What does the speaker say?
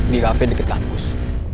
di kafe diketahus